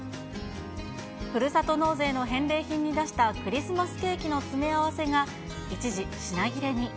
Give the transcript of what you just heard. ふるさと納税の返礼品に出したクリスマスケーキの詰め合わせが一時、品切れに。